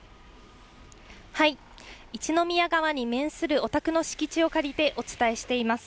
一宮川に面するお宅の敷地を借りて、お伝えしています。